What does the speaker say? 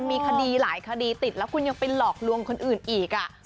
มีคดีหลายคดีติดแล้วคุณยังไปหลอกลวงคนอื่นอีก